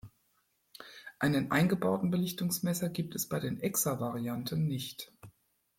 Einen eingebauten Belichtungsmesser gibt es bei den Exa-Varianten nicht.